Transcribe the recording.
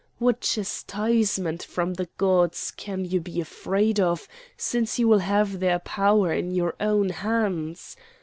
What chastisement from the gods can you be afraid of since you will have their power in your own hands?